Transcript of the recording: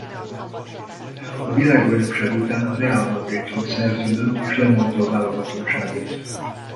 A világbajnokság után a Real Madridhoz szerződött és lemondta a válogatottságot.